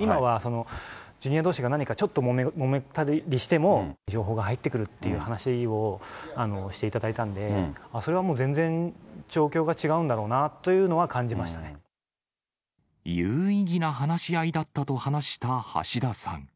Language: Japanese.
今は、ジュニアどうしが何かちょっともめたりしても、情報が入ってくるっていう話をしていただいたので、それはもう全然、状況が違うんだ有意義な話し合いだったと話した橋田さん。